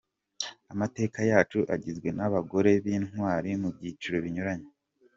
Amateka yacu agizwe n’abagore b’intwari mu byiciro binyuranye, .